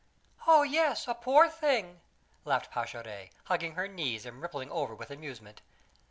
"Oh, yes, a poor thing!" laughed Pascherette, hugging her knees and rippling over with amusement.